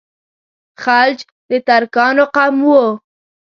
خلج د ترکانو قوم وو.